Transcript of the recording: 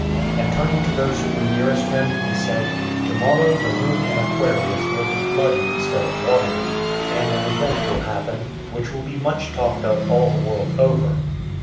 And turning to those who were nearest him, he said, "To morrow the moon in Aquarius will be bloody instead of watery, and an event will happen, which will be much talked of all the world over."